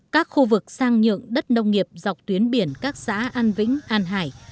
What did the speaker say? các khu vực sang nhượng đất nông nghiệp dọc tuyến biển các xã an vĩnh an hải